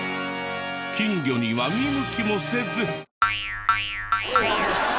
金魚には見向きもせず。